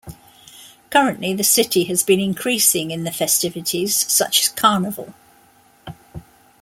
Currently, the city has been increasing in the festivities such as Carnival.